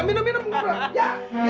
cuma masih kayak bapak lho pak musadri ya